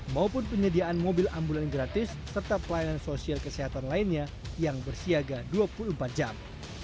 maupun penyediaan mobil ambulan gratis serta pelayanan sosial kesehatan lainnya yang bersiaga dua puluh empat jam